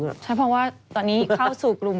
ใช่เพราะว่าตอนนี้เข้าสู่กลุ่ม